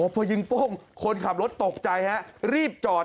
เพราะยิงป้งคนขับรถตกใจรีบจอด